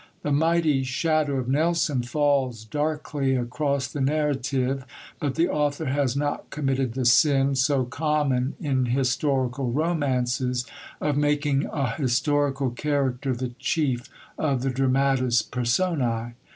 The mighty shadow of Nelson falls darkly across the narrative, but the author has not committed the sin so common in historical romances of making a historical character the chief of the dramatis personæ.